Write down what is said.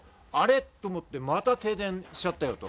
っと思って、また停電しちゃったよと。